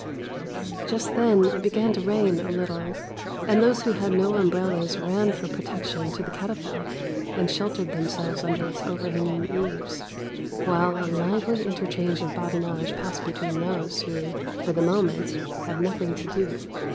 "Just then it began to rain a little, and those who had no umbrellas ran for protection to the catafalque and sheltered themselves under its overhanging eaves, while a lively interchange of badinage passed between those who, for the moment, had nothing to do.